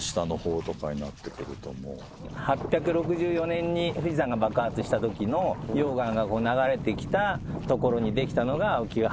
８６４年に富士山が爆発したときの溶岩が流れてきた所にできたのが青木ヶ原樹海。